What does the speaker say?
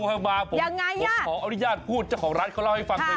ผมขออนุญาตพูดเจ้าของร้านเขาเล่าให้ฟังหน่อย